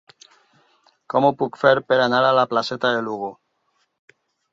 Com ho puc fer per anar a la placeta de Lugo?